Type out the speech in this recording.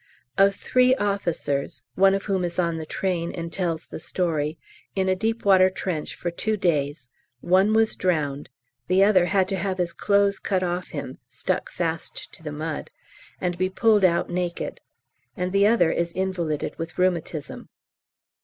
Of three officers (one of whom is on the train and tells the story) in a deep water trench for two days, one was drowned, the other had to have his clothes cut off him (stuck fast to the mud) and be pulled out naked, and the other is invalided with rheumatism.